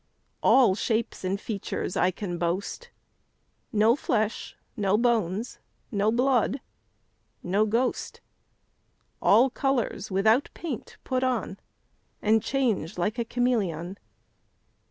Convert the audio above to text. All shapes and features I can boast, No flesh, no bones, no blood no ghost: All colours, without paint, put on, And change like the cameleon.